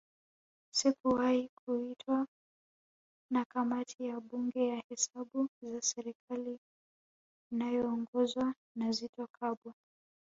Sikuwahi kuitwa na Kamati ya Bunge ya Hesabu za serikali inayoongozwa na Zitto Kabwe